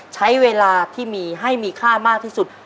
ใช้เวลาที่มีให้มีค่ามากที่สุด